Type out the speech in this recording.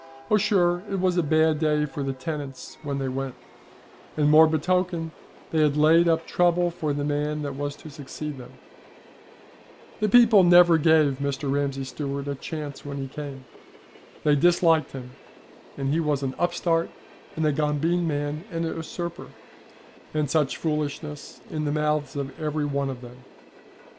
Oh, sure it was a bad day for the tenants when they went; and more betoken, they had laid up trouble for the man that was to succeed them. The people never gave Mr. Ramsay Stewart a chance when he came. They disliked him, and he was an upstart and a gombeen man and a usurper, and such foolishness, in the mouths of every one of them.